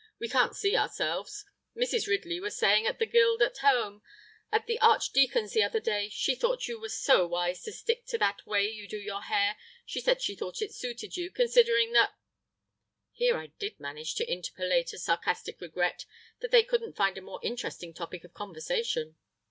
We can't see ourselves. Mrs. Ridley was saying at the Guild 'At Home' at the Archdeacon's the other day, she thought you were so wise to stick to that way you do your hair; she said she thought it suited you, considering that...." Here I did manage to interpolate a sarcastic regret that they couldn't find a more interesting topic of conversation!